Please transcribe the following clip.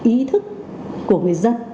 ý thức của người dân